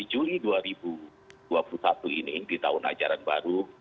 dua puluh juli dua ribu dua puluh satu ini di tahun ajaran baru